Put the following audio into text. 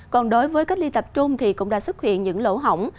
còn đối với cách ly tập trung thì cũng đã xuất hiện những lỗ hỏng